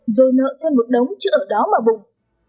rồi nợ thêm một đống chứ ở đó mà bùng